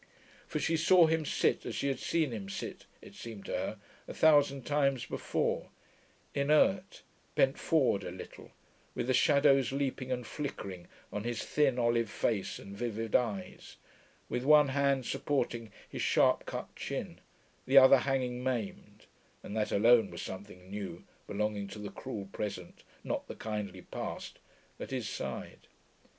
For she saw him sit as she had seen him sit (it seemed to her) a thousand times before, inert, bent forward a little, with the shadows leaping and flickering on his thin olive face and vivid eyes, with one hand supporting his sharp cut chin, the other hanging maimed (and that alone was something new, belonging to the cruel present not the kindly past) at his side.